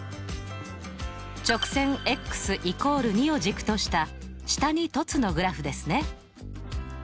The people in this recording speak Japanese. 直線＝２を軸とした下に凸のグラフですね。